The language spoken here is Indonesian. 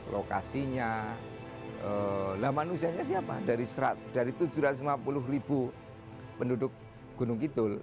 lokasinya lah manusianya siapa dari tujuh ratus lima puluh ribu penduduk gunung kidul